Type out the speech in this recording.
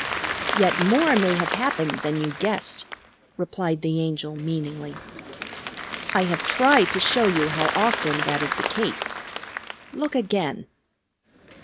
"Yet more may have happened than you guessed," replied the Angel meaningly. "I have tried to show you how often that is the case. Look again."